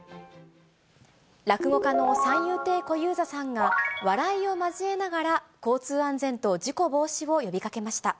落語家の三遊亭小遊三さんが、笑いを交えながら交通安全と事故防止を呼びかけました。